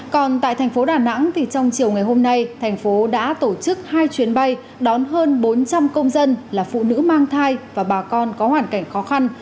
còn tại thành phố đà nẵng thì trong chiều ngày hôm nay thành phố đã tổ chức hai chuyến bay đón hơn bốn trăm linh công dân là phụ nữ mang thai và bà con có hoàn cảnh khó khăn